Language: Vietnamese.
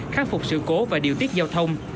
khắc phục sự cố và điều tiết giao thông